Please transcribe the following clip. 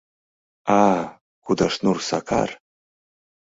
А-а, Кудашнур Сакар?..